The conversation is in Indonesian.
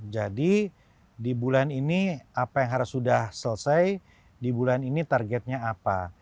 jadi di bulan ini apa yang harus sudah selesai di bulan ini targetnya apa